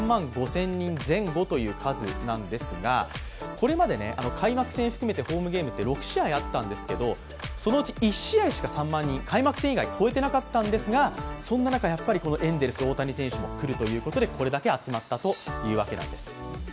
これまで開幕戦含めてホームゲームって６試合あったんですけどそのうち１試合しか、３万人を開幕戦以外、超えていなかったんですがそんな中、エンゼルス・大谷選手が来るということでこれだけ集まったというわけなんです。